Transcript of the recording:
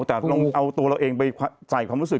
แต่ลองเอาตัวเราเองไปใส่ความรู้สึก